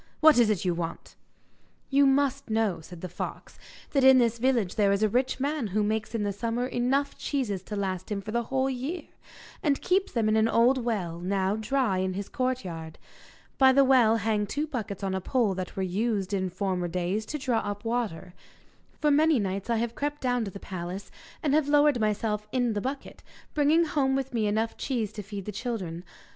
What is it you want?' 'You must know,' said the fox, 'that in this village there is a rich man who makes in the summer enough cheeses to last him for the whole year, and keeps them in an old well, now dry, in his courtyard. By the well hang two buckets on a pole that were used, in former days, to draw up water. For many nights I have crept down to the palace, and have lowered myself in the bucket, bringing home with me enough cheese to feed the children.